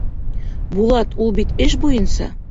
Булат, ул бит эш буйынса...